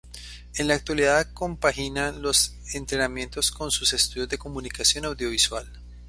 En la actualidad compagina los entrenamientos con sus estudios de Comunicación Audiovisual.